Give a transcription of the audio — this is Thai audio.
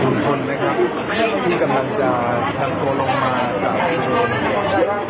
คุณคนนะครับพี่กำลังจะพัสโทรลงมากับชนคน